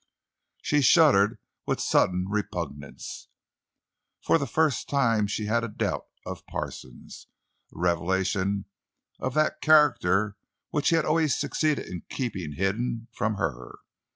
She shuddered with sudden repugnance. For the first time she had a doubt of Parsons—a revelation of that character which he had always succeeded in keeping hidden from her.